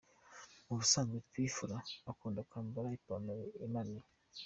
Mu busanzwe P Fla akunda kwambara ipantaro imanuye.